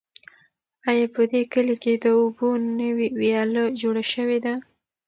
آیا په دې کلي کې د اوبو نوې ویاله جوړه شوې ده؟